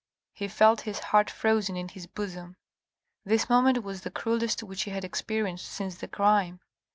He felt his heart frozen in his bosom. This moment was the cruellest which he had experienced since the crime.